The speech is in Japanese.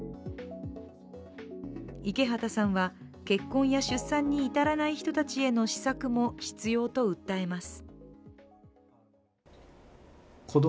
池畑さんは結婚や出産に至らない人たちへの施策も必要と訴えます。